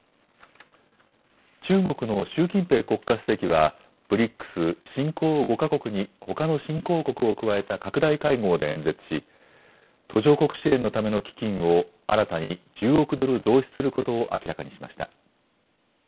中国の習近平国家主席はＢＲＩＣＳ・新興５か国にほかの新興国を加えた拡大会合で演説し途上国支援のための基金を新たに１０億ドル増資することを明らかにしました。